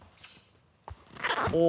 お。